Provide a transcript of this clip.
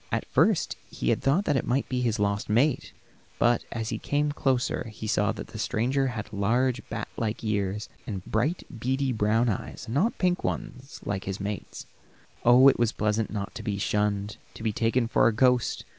At first he had thought it might be his lost mate, but as he came closer he saw that the stranger had large, bat like ears, and bright, beady brown eyes; not pink ones, like his mate's. Oh, it was pleasant not to be shunned, to be taken for a ghost.